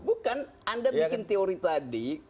bukan anda bikin teori tadi